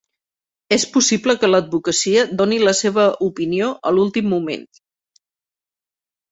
És possible que l'advocacia doni la seva opinió a l'últim moment